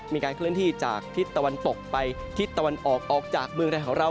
มีการเคลื่อนที่จากทิศตะวันตกไปทิศตะวันออกออกจากเมืองไทยของเรา